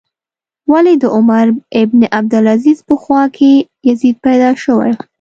ولې د عمر بن عبدالعزیز په خوا کې یزید پیدا شوی.